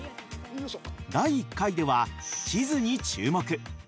第１回では地図に注目。